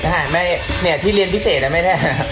นี่ที่เรียนพิเศษนะไม่แทบ